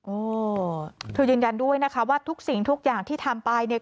เออเธอยืนยันด้วยนะคะว่าทุกสิ่งทุกอย่างที่ทำไปเนี่ย